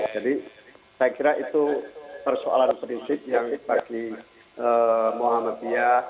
jadi saya kira itu persoalan prinsip yang bagi muhammadiyah